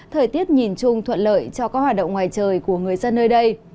thời tiết nhìn chung thuận lợi cho các hoạt động ngoài trời của người dân nơi đây